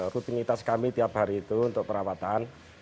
kupingi tas kami tiap hari itu untuk perawatan